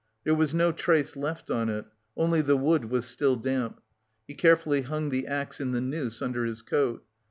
There was no trace left on it, only the wood was still damp. He carefully hung the axe in the noose under his coat.